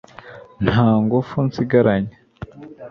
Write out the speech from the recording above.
nta ingufu nsigaranye